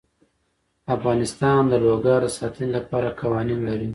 افغانستان د لوگر د ساتنې لپاره قوانین لري.